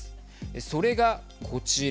それが、こちら。